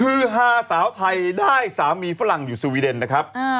ฮืดฮาสาวไทยได้สามีฝรั่งอยู่สวีเดนด้วย